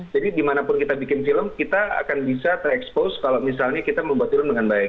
jadi dimanapun kita bikin film kita akan bisa terexpose kalau misalnya kita membuat film dengan baik